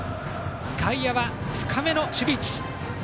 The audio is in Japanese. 外野、深めの守備位置。